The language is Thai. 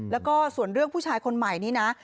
แล้วก็ส่วนเรื่องผู้ชายคนใหม่นี้นะ